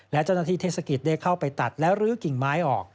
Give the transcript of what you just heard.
และเจ้าหน้าที่เทศกิจได้เข้าไปตัดและรื้อกิ่งไม้ออก